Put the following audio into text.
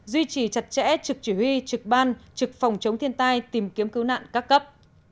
duy trì chặt chẽ trực chỉ huy trực ban trực phòng chống thiên tai tìm kiếm cứu nạn các cấp